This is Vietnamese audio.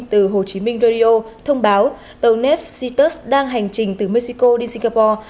từ hồ chí minh radio thông báo tàu nef citus đang hành trình từ mexico đến singapore